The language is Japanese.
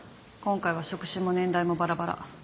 今回は職種も年代もバラバラ。